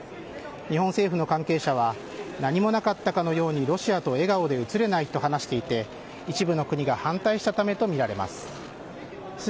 日本政府の関係者は、何もなかったかのようにロシアと笑顔で写れないと話していて、一部の国が反対していたと見られます。